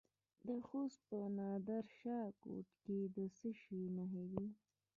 د خوست په نادر شاه کوټ کې د څه شي نښې دي؟